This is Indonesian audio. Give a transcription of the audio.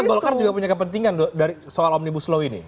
tapi golkar juga punya kepentingan soal omnibus law ini